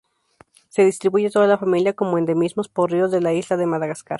Se distribuye toda la familia como endemismos por ríos de la isla de Madagascar.